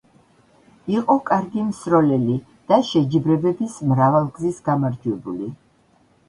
იყო კარგი მსროლელი და შეჯიბრებების მრავალგზის გამარჯვებული.